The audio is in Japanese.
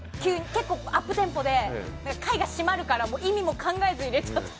結構アップテンポで会が締まるから意味も考えずに入れちゃった。